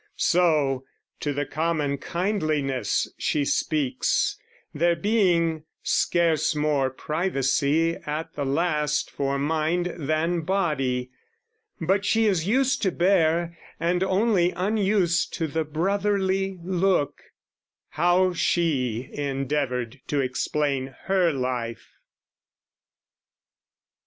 So, to the common kindliness she speaks, There being scarce more privacy at the last For mind than body: but she is used to bear, And only unused to the brotherly look, How she endeavoured to explain her life.